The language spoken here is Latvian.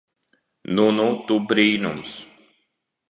Nu nu tu brīnums.